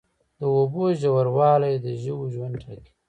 د اوبو ژوروالی د ژویو ژوند ټاکي.